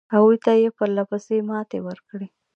هغوی ته یې پرله پسې ماتې ورکړې.